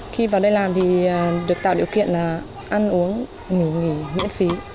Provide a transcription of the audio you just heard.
khi vào đây làm thì được tạo điều kiện là ăn uống ngủ nghỉ nguyện phí